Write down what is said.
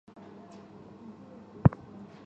由佐藤浩市领衔主演。